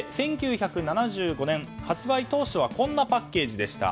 １９７５年、発売当初はこんなパッケージでした。